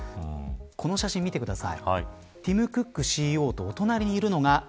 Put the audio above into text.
この写真を見てください。